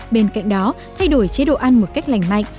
bên cạnh đó thay đổi chế độ ăn một cách lành mạnh